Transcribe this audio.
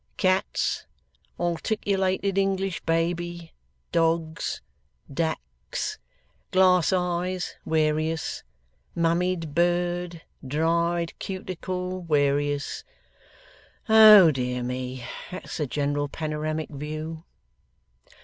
Cats. Articulated English baby. Dogs. Ducks. Glass eyes, warious. Mummied bird. Dried cuticle, warious. Oh, dear me! That's the general panoramic view.